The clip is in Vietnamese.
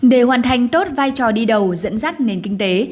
để hoàn thành tốt vai trò đi đầu dẫn dắt nền kinh tế